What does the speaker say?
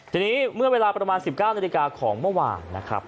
ทีนี้เมื่อเวลาประมาณ๑๙นาฬิกาของเมื่อวานนะครับ